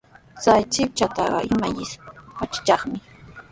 Chay shipashtaqa imaypis ashishaqmi.